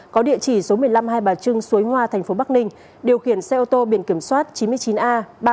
có địa chỉ số một mươi năm hai bà trưng suối hoa tp bắc ninh điều khiển xe ô tô biển kiểm soát chín mươi chín a ba nghìn bốn trăm ba mươi